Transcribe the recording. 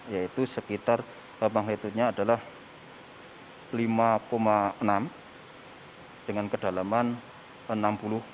yaitu sekitar magnetnya adalah lima enam dengan kedalaman enam puluh dua km